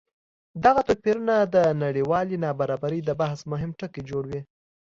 دغه توپیرونه د نړیوالې نابرابرۍ د بحث مهم ټکی جوړوي.